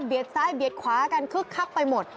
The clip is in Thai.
ซ้ายเบียดขวากันคึกคักไปหมด